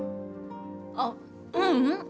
あっううん！